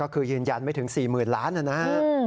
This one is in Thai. คือยืนยันไม่ถึง๔๐๐๐ล้านนะครับ